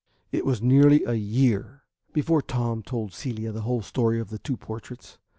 VII It was nearly a year before Tom told Celia the whole story of the two portraits.